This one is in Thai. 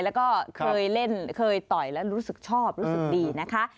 แล้วก็เคยเล่นเคยต่อยแล้วรู้สึกชอบรู้สึกดีนะคะ